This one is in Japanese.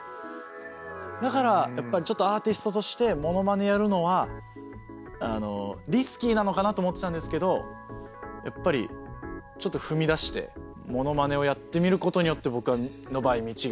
だからやっぱりちょっとアーティストとしてモノマネやるのはリスキーなのかなと思ってたんですけどやっぱりちょっと踏み出してモノマネをやってみることによって僕の場合道が開けたので。